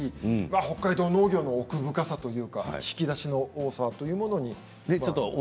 北海道農業の奥深さというか引き出しの多さというものに。